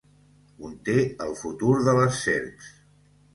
Conté el futur de les serps.